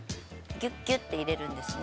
ギュッギュッて入れるんですね。